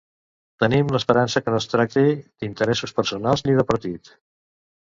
Tenim l'esperança que no es tracti d'interessos personals ni de partit.